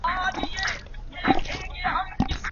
ایا آنلاین زده کړه د حضوري ټولګیو په پرتله وخت سپموي؟